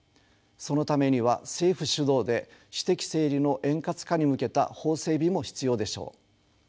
そのためには政府主導で私的整理の円滑化に向けた法整備も必要でしょう。